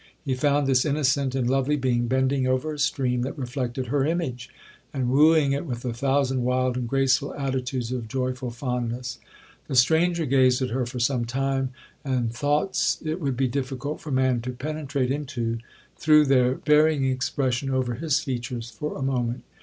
He found this innocent and lovely being bending over a stream that reflected her image, and wooing it with a thousand wild and graceful attitudes of joyful fondness. The stranger gazed at her for some time, and thoughts it would be difficult for man to penetrate into, threw their varying expression over his features for a moment.